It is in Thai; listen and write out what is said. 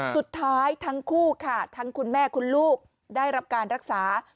สุดท้ายทั้งคู่ค่ะทั้งคุณแม่คุณลูกได้รับการรักษา